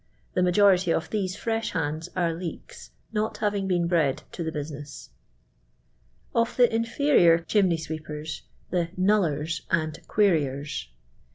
The majority «»f these fr.'sii hands are '* leeks/' not having been bred to the bu. ines3. Of Tin: Inkerimr Chimnky SwEKrERfi — tue •Kmlleks" and "Queuiehs."